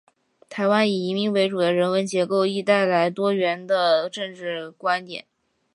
台湾以移民为主的人文结构，亦带来多元的政治观点。